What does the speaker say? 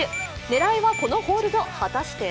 狙いはこのホールド、果たして？